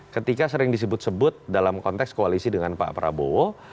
ketika sering disebut sebut dalam konteks koalisi dengan pak prabowo